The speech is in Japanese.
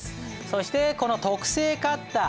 そしてこの特製カッター